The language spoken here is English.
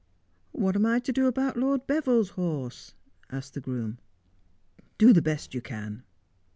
' What am I to do about Lord Beville's horse 1 ' asked the groom. ' Do the best you can.'